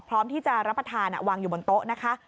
พร้อมที่จะรับประทานวางอยู่บนโต๊ะนะคะ